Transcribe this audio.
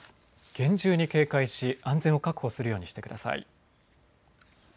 厳重に警戒し安全を確保するようにしてください。